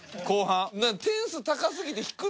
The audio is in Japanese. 点数高すぎてひく。